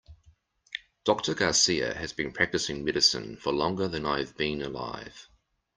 Doctor Garcia has been practicing medicine for longer than I have been alive.